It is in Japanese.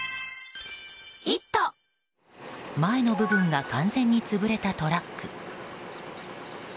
前の部分が完全に潰れたトラック。